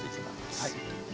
はい。